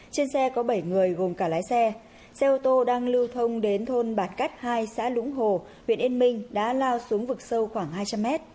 trên xe có bảy người gồm cả lái xe xe ô tô đang lưu thông đến thôn bạt cắt hai xã lũng hồ huyện yên minh đã lao xuống vực sâu khoảng hai trăm linh m